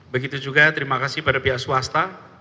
begitu juga terima kasih pada pihak swasta